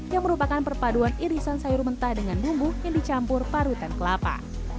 yang merupakan perpaduan irisan sayur mentah dengan bumbu yang dicampur parutan kelapa